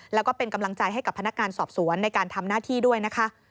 แล้วก็เป็นกำลังใจให้กับพนักงานสอบสวนในการทำหน้าที่ด้วยนะคะ